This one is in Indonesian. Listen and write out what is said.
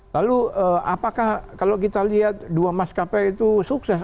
lalu apakah kalau kita lihat dua maskapai itu sukses